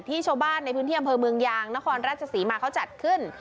ชาวบ้านในพื้นที่อำเภอเมืองยางนครราชศรีมาเขาจัดขึ้น